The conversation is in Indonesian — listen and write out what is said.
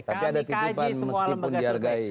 kami kaji semua lembaga survei